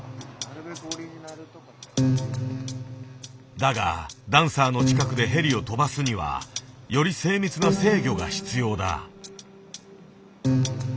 だがダンサーの近くでヘリを飛ばすにはより精密な制御が必要だ。